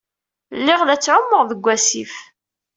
Lliɣ la ttɛumuɣ deg wasif.